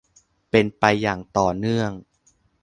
เป็นไปอย่างต่อเนื่อง